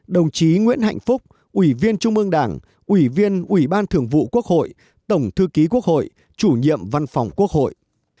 ba mươi một đồng chí nguyễn hạnh phúc ủy viên trung ương đảng ủy viên ủy ban thưởng vụ quốc hội tổng thư ký quốc hội chủ nhiệm văn phòng quốc hội